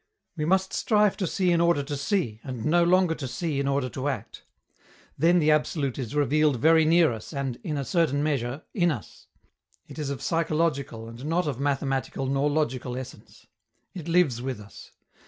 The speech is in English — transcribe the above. We must strive to see in order to see, and no longer to see in order to act. Then the Absolute is revealed very near us and, in a certain measure, in us. It is of psychological and not of mathematical nor logical essence. It lives with us.